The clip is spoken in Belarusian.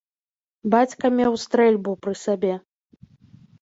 Бацька меў стрэльбу пры сабе.